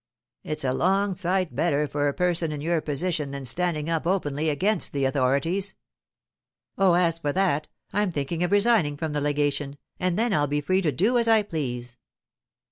'It's a long sight better for a person in your position than standing up openly against the authorities.' 'Oh, as for that, I'm thinking of resigning from the legation, and then I'll be free to do as I please.